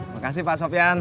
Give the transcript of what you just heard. makasih pak sofyan